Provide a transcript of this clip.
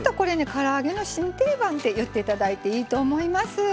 から揚げの新定番って言っていいと思います。